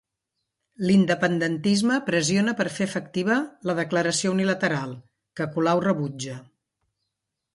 L'independentisme pressiona per fer efectiva la declaració unilateral, que Colau rebutja.